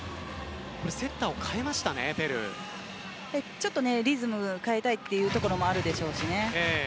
ちょっとリズムを変えたいというところもあるでしょうしね。